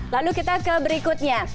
lalu kita ke berikutnya